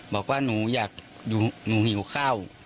บอกว่าหนูอยากหนูหิวข้าว